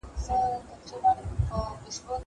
که وخت وي، کار کوم!